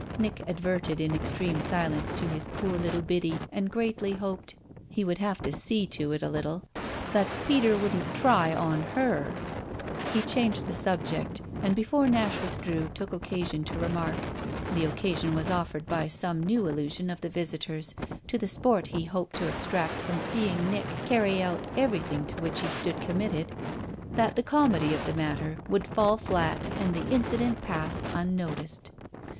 Nick adverted in extreme silence to his poor little Biddy and greatly hoped he would have to see to it a little that Peter wouldn't "try" on her. He changed the subject and before Nash withdrew took occasion to remark the occasion was offered by some new allusion of the visitor's to the sport he hoped to extract from seeing Nick carry out everything to which he stood committed that the comedy of the matter would fall flat and the incident pass unnoticed.